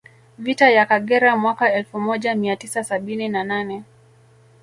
Vita ya Kagera mwaka elfu moja mia tisa sabini na nane